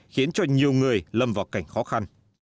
khiến cho nhiều người lâm vào cảnh khó khăn